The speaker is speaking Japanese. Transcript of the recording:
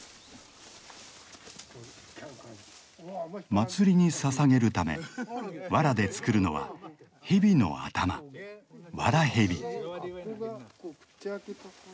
祭りにささげるため藁で作るのは蛇の頭藁蛇。